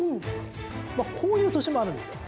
こういう年もあるんですよ。